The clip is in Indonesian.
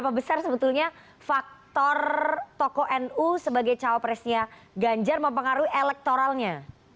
seberapa besar sebetulnya faktor tokoh nu sebagai cawapresnya ganjar mempengaruhi elektoralnya